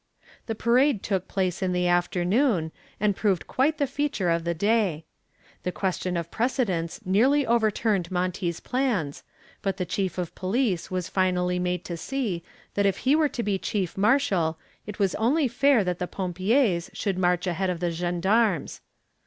The parade took place in the afternoon, and proved quite the feature of the day. The question of precedence nearly overturned Monty's plans, but the chief of police was finally made to see that if he were to be chief marshal it was only fair that the pompiers should march ahead of the gendarmes.